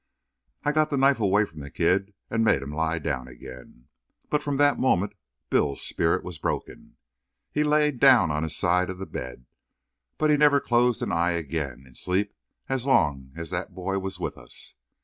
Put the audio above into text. I got the knife away from the kid and made him lie down again. But, from that moment, Bill's spirit was broken. He laid down on his side of the bed, but he never closed an eye again in sleep as long as that boy was with us.